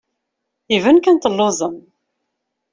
Iban kan telluẓem.